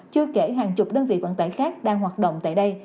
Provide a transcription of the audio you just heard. chưa kể hàng chục đơn vị vận tải khác đang hoạt động tại đây